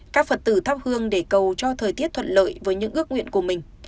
các phật tử thắp hương để cầu cho thời tiết thuận lợi với những ước nguyện của mình